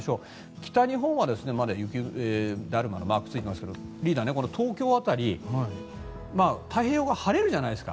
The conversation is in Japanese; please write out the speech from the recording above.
北日本はまだ雪だるまのマークがついていますがリーダー、東京辺り太平洋側晴れるじゃないですか。